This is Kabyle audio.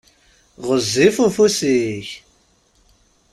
Γezzif ufus-ik!